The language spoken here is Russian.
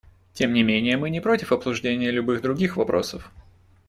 Тем не менее, мы не против обсуждения любых других вопросов.